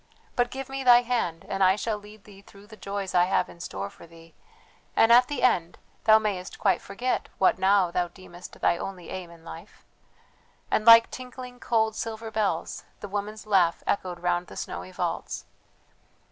but give me thy hand and I shall lead thee through the joys I have in store for thee, and at the end thou mayest quite forget what now thou deemest thy only aim in life;" and like tinkling, cold, silver bells the woman's laugh echoed round the snowy vaults.